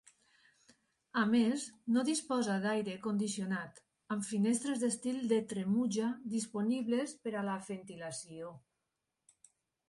A més, no disposa d'aire condicionat, amb finestres d'estil de tremuja disponibles per a la ventilació.